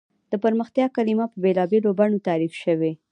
د پرمختیا کلیمه په بېلا بېلو بڼو تعریف شوې ده.